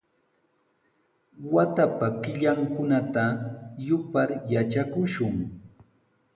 Watapa killankunata yupar yatrakushun.